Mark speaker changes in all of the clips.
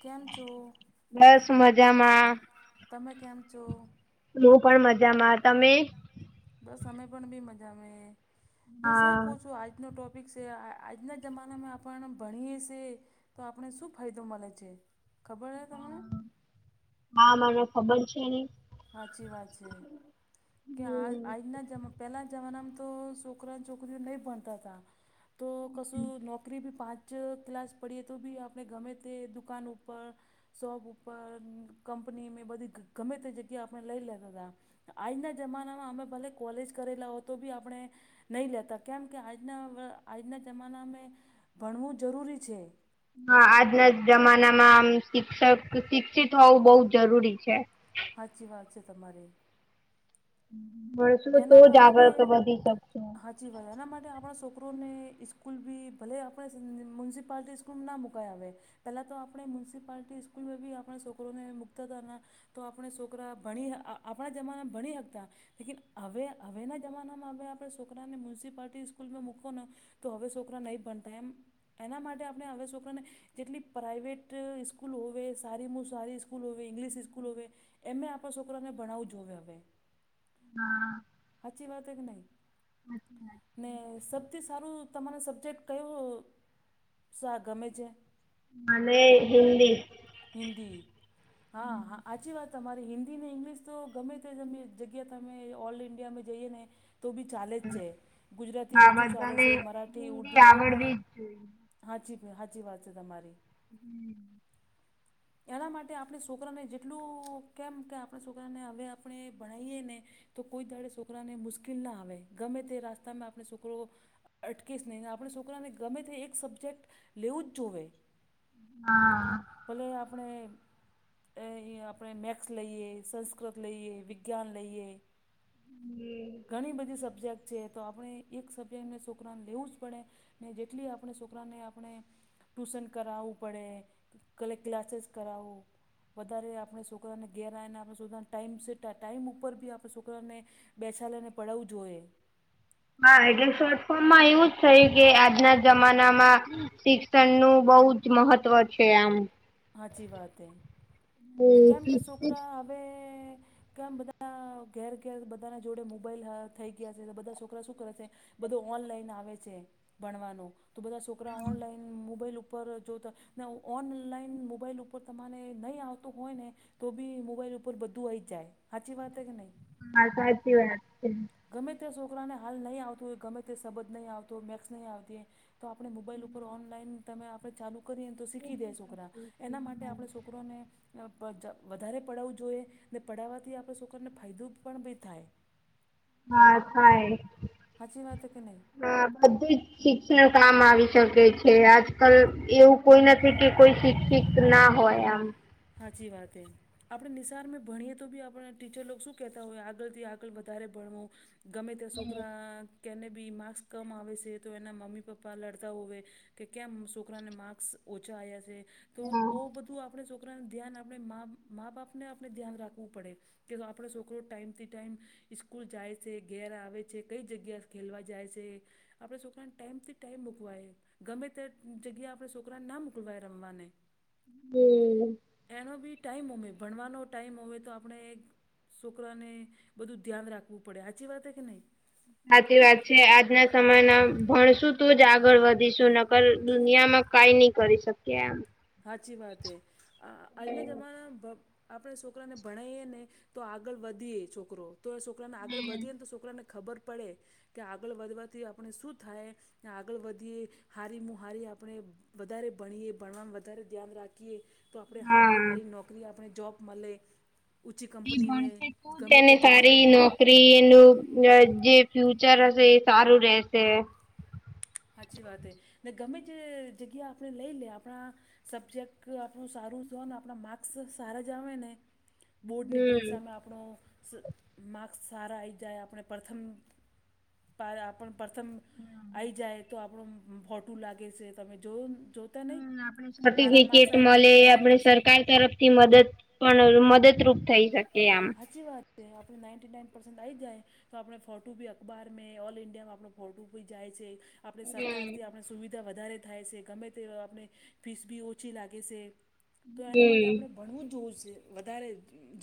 Speaker 1: કેમ છો?
Speaker 2: બસ મજામાં.
Speaker 1: તમે કેમ છો?
Speaker 2: હું પણ મજામાં, તમે?
Speaker 1: બસ અમે પણ બી મજા મે, હું શું કહુ છું આજ નો ટોપિક સે, આ આજના જમાનામાં આપણ ભણીએ સીએ તો આપણે શું ફાયદો મળે છે, ખબર હે તમને?
Speaker 2: હા મને ખબર છે ને.
Speaker 1: હાચી વાત છેે. કે આ આજના જ પહેલા જમાનામાં તો છોકરા છોકરીઓ નહી ભણતા હતા. તો કશું નોકરી બી પાંચ ચ્ ક્લાસ પડીએ તો બી આપણે ગમે તે દુકાન ઉપર શોપ ઉપર કંપની મે બધી ગ ગમે તે જગ્યા આપણે લઈ લેતા હતા. આજના જમાનામાં અમે ભલે કોલેજ કરેલા હો, તો બી આપણે નહી લેતા, કેમ કે આજના વ આજના જમાનામે ભણવું જરૂરી છે.
Speaker 2: હા આજના જમાનામાં આમ શિક્ષક, શિક્ષિત હોવું બહુ જરૂરી છે.
Speaker 1: હાચી વાત છે તમારી.
Speaker 2: ભણશું તોજ આગળ તો વધી શકશુ.
Speaker 1: હાચી વાત, એના માટે આપણા છોકરોને સ્કૂલ બી ભલે આપણે સન મ્યુનિસિપાલટી સ્કૂલમાં ના મુકાય હવે, પહેલાં તો આપણે મ્યુનિસિપાલટી સ્કૂલમાં બી આપણા છોકરોને મુકતા હતાના તો આપણે છોકરા ભણી, આ આપણા જમાનામાં ભણી હકતા લેકી હવે હવેના જમાનામાં હવે આપણે છોકરાને મ્યુનિસિપાલટી સ્કૂલમાં મૂકોવો ને તો હવે છોકરા નહીં ભણતા એમ, એના માટે આપણે હવે છોકરાને કેટલી પ્રાઇવેટ સ્કૂલ હોવે, સારીમાં સારી સ્કૂલ હોવે, ઈંગ્લિશ સ્કૂલ હોવે એમે આપણા છોકરાને ભણાવું જોવે હવે.
Speaker 2: હા.
Speaker 1: હાચી વાત હ કે નંહી? ને સૌથી સારું તમારો સબ્જેક્ટ કયો શ ગમે છે?
Speaker 2: મને હિન્દી.
Speaker 1: હિન્દી. હા હાચી વાત તમારી, હિન્દી ને ઇંગ્લિશ તો ગમે તેમે જગ્યા એ તમે ઓલ ઇન્ડિયામેં જઈએ ને તો બી ચાલેજ છે. ગુજરાતી ઓછું ચાલે છે, મરાઠી ઉર્દુ ઓ પણ હાચીને હાચી વાત છે તમારી.
Speaker 2: હમ્મ
Speaker 1: એના માટે આપણે છોકરાને જેટલું કેમ કે આપણા છોકરાને હવે આપણે ભણાઇએ ને તો કોઈ દાડે છોકરાને મુશ્કેલ ના આવે, ગમે તે રાસ્તામાં આપણે છોકરો અટકેશ નહીં, ને આપણે છોકરાને ગમે તે એક સબ્જેક્ટ લેવું જ જોઈએ.
Speaker 2: હા.
Speaker 1: ભલે આપણે એ હી આપણે મેથસ લઈએ, સંસ્કૃત લઈએ, વિજ્ઞાન લઈએ ઘણી બધી સબ્જેક્ટ છે તો આપણે એક સબ્જેક્ટને છોકરાને લેવું જ પડે. ને જેટલી આપણે છોકરાને આપણે ટ્યુશન કરાવવું પડે. કલે ક્લાસેસ કરાઓ. વધારે આપણે છોકરાને ઘેરાયને આપણે છોકરાને ટાઈમ સેટા ટાઈમ ઉપર બી આપણે છોકરાને બેસાડી ને પડાવું જોઈએ.
Speaker 2: હા એટલે શોર્ટ ફોર્મમાં એવું જ થય કે આજના જમાનામાં શિક્ષણ નું બહુ જ મહત્વ છે આમ
Speaker 1: સાચી વાત હ કેમ કે છોકરા આવે કેમ બધા ઘેર ઘેર બધા ના જોડે મોબાઈલ હા થઈ ગયા છે બધા છોકરા શું કરે છે. બધો ઓનલાઈન આવે છે, ભણવાનો તો બધા છોકરા ઓનલાઈન મોબાઈલ ઉપર ઉપર જોતા ઓનલાઈન મોબાઈલ ઉપર તમારે નહીં આવ આવતું હોય ને તો બી મોબાઈલ ઉપર બધું આવીઈ જ જાય સાચી વાત કે નહી.
Speaker 2: આ સાચી વાત છે.
Speaker 1: ગમે તે છોકરાને હાલ નહી આવતું હોય ગમે તે શબંધ નહી આવતો હોય મેક્સ નહ આવતી તો આપણે મોબાઈલ ઉપર ઓનલાઈન તમે આપણે ચાલુ કરીએ ને તો શીખી દે છોકરા એના માટે આપણે છોકરોને અ પ જ વધારે પડાવવું જોઈએ ને પડાવવાથી આપણે છોકરને ફાયદો પણ બી થાય.
Speaker 2: હા થાય હા બધી જ શિક્ષણ કામ આવી શકે છે, આજ [inaudible] એવું કોઈ નથી કે કોઈ શિક્ષિત ના હોય આમ.
Speaker 1: હાચી વાત એ. આપણે નિશાર ભણીએ તો બી આપણે ટીચર લોક શું કેહેતા હોય આગળથી આગળ વધારે ભણવું ગમે ત્યાં છોકરા કેને બી માર્ક્સ કમ આવે છે, તો એના મમ્મી પપ્પા લડતા હોય કે કેમ છોકરાને માર્ક્સ ઓછા આવ્યા છે તો ઓ બધું આપણે છોકરાનું ધ્યાન આપણે મા મા બાપને આપણે ધ્યાન રાખવું પડે કે આપણે છોકરો ટાઈમથી ટાઈઇમ સ્કૂલ જાય છે, ઘેર આવે છે, કઈ જગ્યા ખેલવા જાય છે, આપણે છોકરાને ટાઈમ થી ટાઈમ મુૂકવાય ગમે તે જગ્યા આપણે છોકરાને ના મોકલવાય રમવાને
Speaker 2: હમ
Speaker 1: એનો બી ટાઈમ હોમે ભણવાનો ટાઈમ હોવે તો આપણે છોકરાને બધું ધ્યાન રાખવું પડે, હાચી વાત હ કે નહી.
Speaker 2: સાચી વાત છે, આજના સમયના ભણશું તો જ આગળ વધીશું નક્કર દુનિયામાં કઈ નહી કરી શકીએ એમ.
Speaker 1: સાાચી વાત હ આજના જમાના ભ આપણે છોકરાને ભણાઈએ ને તો આગળ વધીએ છોકરો તો એ છોકરાને આગળ વધીએ ને તો છોકરાને ખબર પડે કે આગળ વધવાથી આપણે શું થાય. ને આગળ વધીએ હારી મુ હારી આપણે વધારે ભણીએ ભણવા વધારે ધ્યાન રાખીએ તો આપણે હારી હારી નોકરી આપણે જોબ મળે
Speaker 2: એ ભણશે તું તેને સારી નોકરી [inaudible] જે ફ્યુચર હશે એ સારું રેશે.
Speaker 1: સાચી વાત એ ને ગમે જે જગ્યા આપણે લઈ લયા આપણા સબ્જેક્ટ આપણું સારું જો ને, આપણા માર્ક્સ સારા જ આવે ને બોર્ડની પરીક્ષામાં આપણો માર્ક્સ સારા આવી જાય આપણે પ્રથમ પાર આપણ પ્રથમ આઈ જાય તો આપણું ભોટું લાગે છે તમે જોયુંન જો
Speaker 2: હમ્મ આપણે સર્ટિફિકેટ મલે આપડે સરકાર તરફ થી મદદ પણ મદદરૂપ થઈ શકે આમ
Speaker 1: સાચી વાત તે આપને નાઇન્ટટી નાઇન પરસન્ટ આ જાય તો આપણે ફોટું બી અખબાર મે ઓલ ઇન્ડિયામાં આપણ ફોટું ભી જાય છે. આપણે સરકારથી આપણે સુવિધા વધારે થાય છે ગમે તે આપણે ફીસ બી ઓછી લાગે છે તો એના માટે આપણે ભણવું જોવું છે વધારે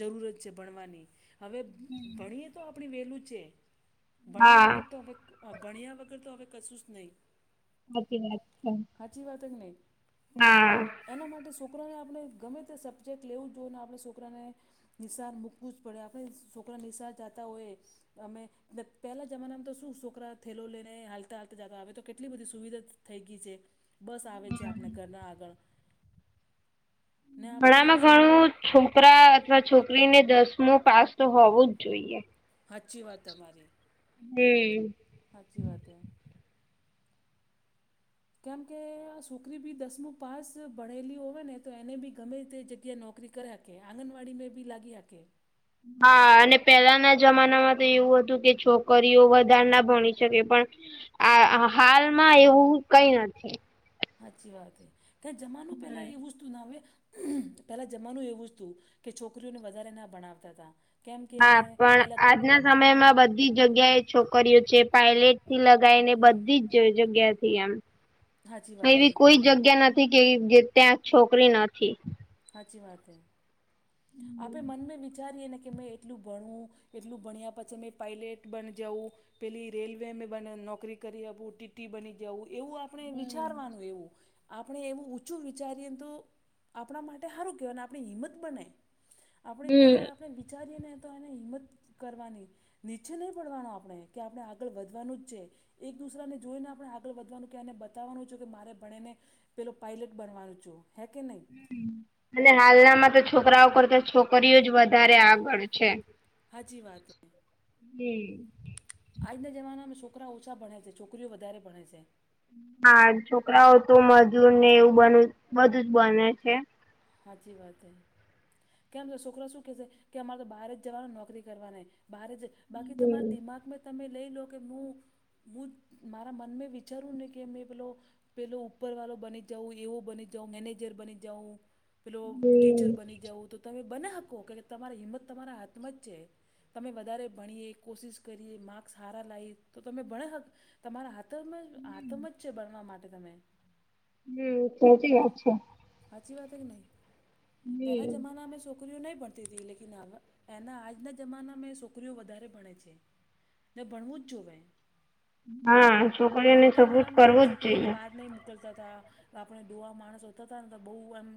Speaker 1: જરૂરત છે ભણવાની હવે ભણીએ તો આપણી વેલું છે ભણવા વગર તો હવે ભણ્યા વગર તો હવે કશું જ નહીં.
Speaker 2: સાચી વાત છે.
Speaker 1: હાચી વાત કે નય?
Speaker 2: ના.
Speaker 1: એના માટે છોકરાને આપણે ગમે તે સબ્જેક્ટ લેવું જ જોઈએ ને આપણે છોકરાને નિસાર મૂકવું જ પડે આપણે છોકરા નિસાર જાતા હોય અમે પહેલા જમાનામાં તો શું છોકરા થેલો લઈને હાલતા હાલતા જતા આવે તો કેટલી બધી સુવિધા થઈ ગઈ છે બસ આવે છે આપણે ઘરના આગળ
Speaker 2: પણ આમાં ઘણું છોકરા અથવા છોકરીને દસમું પાસ તો હોવું જ જોઈએ.
Speaker 1: હાચી વાત તમારી.
Speaker 2: [unintelligible]
Speaker 1: હાચી વાત હે. કેમ કે આ છોકરી બી દસમું પાસ ભણેલી હોવે ને તો એને બી ગમે તે જગ્યાએ નોકરી કર્યાત. કે આંગનવાડી મે બી લાગીયા કે
Speaker 2: હા અને પેલાના જમાનામાં તો એવું હતું કે છોકરીઓ વધાર ના ભણી શકે પણ આ હાલમાં એવું કઈ નથી.
Speaker 1: હાચી વાત હે, કે જમાનું પેલા એવું હતું ને હવે પેલા જમાનું એવું જ હતું કે છોકરીઓને વધારે ના ભણાવતા તા.
Speaker 2: હા પણ આજના સમયમાં બધી જગ્યાએ છોકરીઓ છે પાયલેટથી લગાઈ ને બધી જ જગ્યાએથી એમ. એવી કોઈ જગ્યા નથી કે જે ત્યાં છોકરી નથી.
Speaker 1: હાચી વાત હૈ. આપે મનમેં વિચારીએ ને કે મેં એટલું ભણવું એટલું ભણ્યા પછી મેં પાઇલેટ બન જવું, પેલી રેલવે મે બને નોકરી કરી આપું ટી-ટી બની જવું એવું આ પણે વિચારવાનું એવું. આપણે એવું ઊંચું વિચારીએ તો આપણા માટે હારું કહેવાયને આપણે હિંમત બને આપણે કોઈ દાડે આપણે વિચારીએ ને તો એને હિંમત કરવાની નીચે નહીં પડવાનો આપણે કે આપણે આગળ વધવાનું જ છે. એક દૂસરાને જોઈને આપણે આગળ વધવાનું કે એને બતાવવાનું છે કે મારે ભણીને પેલો પાઇલટ બનવાનું છું હૈ કે નહીં?
Speaker 2: હમ્મ, અને હાલનામાં તો છોકરાઓ કરતા છોકરીઓ જ વધારે આગળ છે.
Speaker 1: હાચી વાત હે. આજના જમાનામાં છોકરા ઓછા ભણે છે છોકરીઓ વધારે ભણે છે.
Speaker 2: હા છોકરાઓ તો મજૂર ને એવું બનું બધું જ બને છે
Speaker 1: હાચી વાત હે કેમ કે છોકરો શું કેહેશે કે અમારે તો બહાર જ જવાનું ને નોકરી કરવાને બારે જ બાકી તમારા દિમાગમાં તમે લઈ લો કે હું હું જ મારા મનમે વિચારું ને કે મેં પેલો પેલો ઉપરવાળો બની જાઉં એવો બની જાઉં મેનેજર બની જાઉં પેલો ટીચર બની જવું તો તમે બના હકો કે તમારી હિંમત તમારા હાથમાં જ છે. તમે વધારે ભણીએ કોશિશ કરીએ માર્ક્સ સારા લાઈએ તો તમે ભણયા હક તમારા હાથમાં હાથમાં જ છે ભણવા માટે તમે
Speaker 2: હમ્મ સાચી વાત છે.
Speaker 1: સાચી વાત હે કે નહી પેલા જમાનામાં શું છોકરીઓ નહીં ભણતીતી લેકીન હાલના એના આજના જમાનામાં છોકરીઓ વધારે ભણે છે ને ભણવું જ જોવે પેલા જમાનામાં કેમ છોકરીઓને બહાર નહી મોકલતા હતા આપણે [unintelligible] માણસો હતાતા ને તો બહુ એમ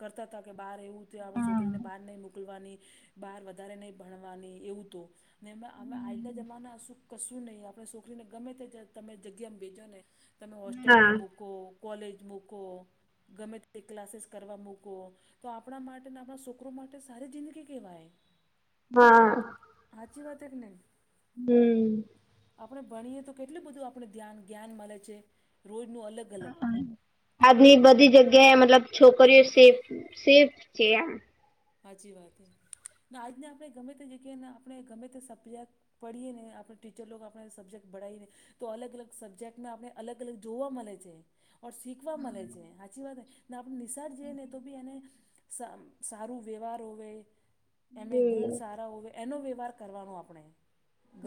Speaker 1: કરતા હતા કે બાર એવું તે આપણે છોકરીને બહાર નહીં મો કલવાની બાર વધારે નહીં ભણવાની એવું તો ને એમાં આજના જમાના શું કશું નહીં આપણે છોકરીને ગમે તે તમે જગ્યામાં ભેજો ને તમે હોસ્ટેલમાં મૂ કો કોલેજ મૂકો ગમે તે ક્લાસીસ કરવા મૂકો તો આપણા માટે ને આપણા છોકરો માટે સારી જિંદગી કેહેવાય
Speaker 2: હા
Speaker 1: હાચી વાત હે કે નહીં
Speaker 2: હમ્મ
Speaker 1: આપણે ભણીએ તો કેટલું બધું આપણે ધ્યાન જ્ઞાન મળે છે રોજનું અલગ અલગ
Speaker 2: આજની બધી જગ્યાએ મતલબ છોકરીઓ સેફ સેફ છે આ
Speaker 1: હાચી વાત હે ને આજને આપણે ગમે તે જગ્યાને આપણે ગમે તે [unintelligible] પડીએને આપણે ટીચર લોકો આપણે સબ્જેક્ટ [unintelligible] ઈ ને તો અલગ અલગ સબ્જેક્ટને આપણે અલગ અલગ જોવા મલે છે. ઓર શીખવા મળે છે સાચી વાત આપણે નિશાળ જઈએ ને તો બી એને સ સારું વ્યવહાર હોવે એમે ગુણ સારા હોવે એનો વ્યવહાર કરવાનો આપણે.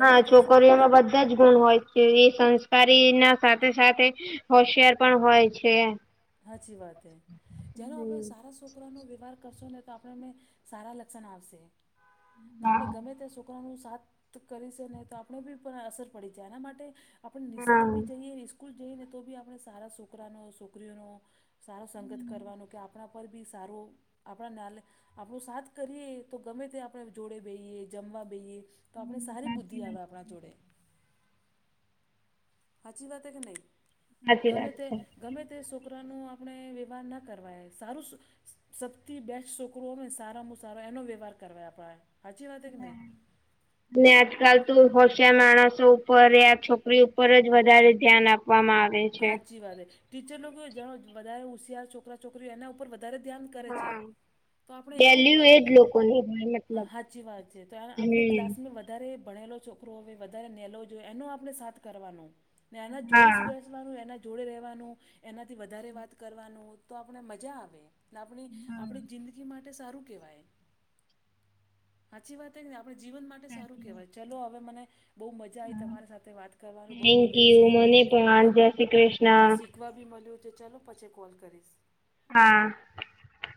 Speaker 2: હા છોકરીઓમાં બધા જ પણ હોય છે ઈ સંસ્કારી ના સાથે સાથે હોશિયાર પણ હોય છે.
Speaker 1: હાચી વાત હૈ. જેનો આપણે સારા છોકરાનો વ્યવહાર કરશો ને તો આપણને સારા લક્ષણ આવશે. ને આપણે ગમે તે છોકરાનું સાથ તો કરીશું ને તો આપણે બી પણ અસર પડી જાય માટે આપણે નિસાર બી જઈએ સ્કૂલ જઈને તો બી આપણે સારા છોકરાનો છોકરીઓનો સારો સંગત કરવાનું કે આપણા પર બી સારું આપણા ના આપણું સાથ કરીએ તો ગમે તે આપણે જોડે બેહીએ જમવા બેહીએ તો આપણે સારી બુદ્ધિ આવે આપણા જોડે. હાચી વાત કે નહી ગમે તે ગમે તે છોકરાનો આપણે વ્યવહાર ના કરવાય સારું સબથી બેસ્ટ છોકરોઓમેને સારામાં સારો એનો વ્યવહાર કરવા આપ સાચી વાત કે નહી.
Speaker 2: અને આજકાલ તો હોશિયાર માણસો ઉપર એઆ છોકરી ઉપર જ વધારે ધ્યાન આપવામાં આવે.
Speaker 1: હાચી વાત હે ટીચર લોકો જાણ વધારે હોશિયાર છોકરા છોકરીઓ એના વધારે ધ્યાન કરે છે તો આપણે એવું કરું હા સાચી વાત છે તો આપણે ક્લાસ મેં વધારે ભણેલો છોકરો હોય વધારે નેલો જોઈ એનો આપણે સાથ કરવાનો ને એના જોડીશ બે એના જોડે રહેવાનું એનાથી વધારે વાત કરવાનું તો આપણે મજા આવે. લાગણી આપણે જિંદગી માટે સારું કહેવાય. હાચી વાત એ ને આપણે જીવન માટે સારું કહેવાય ચલો હવે મને બહુ મજા આઈ તમારી સાથે વાત કરવાનું બહુ ગમ્યું છે.
Speaker 2: વાન જય શ્રી કૃષ્ણ.
Speaker 1: શવા બી મળ્યું છે ચાલો પછી કોલ કરીશ.
Speaker 2: હા.